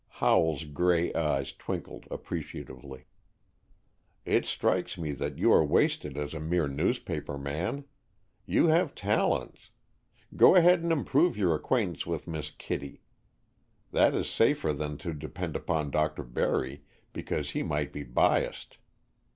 Howell's gray eyes twinkled appreciatively. "It strikes me that you are wasted as a mere newspaper man. You have talents. Go ahead and improve your acquaintance with Miss Kittie. That is safer than to depend upon Dr. Barry, because he might be biassed.